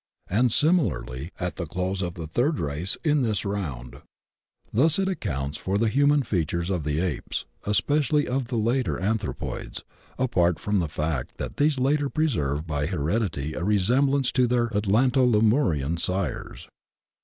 And similarly at the close of the Third Race in this Round. Thus it accounts for the human features of the Apes, especially of the later An thropoids — apart from the fact that these latter preserved by heredity a resemblance to their Atlanto Lemurian sires.